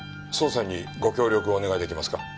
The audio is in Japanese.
捜査にご協力をお願い出来ますか。